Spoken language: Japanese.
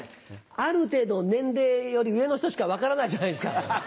ある程度年齢より上の人しか分からないじゃないですか。